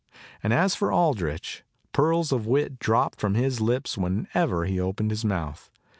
And as for Aldrich, pearls of wit dropped from his lips whenever he opened his mouth.